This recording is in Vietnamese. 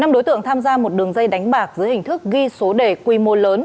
năm đối tượng tham gia một đường dây đánh bạc dưới hình thức ghi số đề quy mô lớn